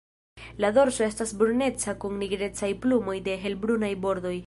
La dorso estas bruneca kun nigrecaj plumoj de helbrunaj bordoj.